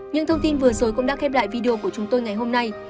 những thông tin vừa rồi cũng đã khép lại video của chúng tôi ngày hôm nay